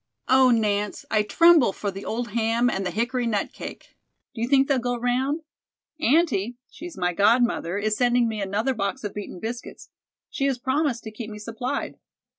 Oh, Nance, I tremble for the old ham and the hickory nut cake. Do you think they'll go round? Aunty, she's my godmother, is sending me another box of beaten biscuits. She has promised to keep me supplied.